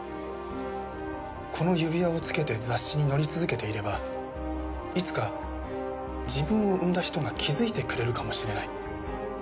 この指輪を着けて雑誌に載り続けていればいつか自分を産んだ人が気づいてくれるかもしれない。